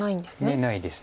眼ないです。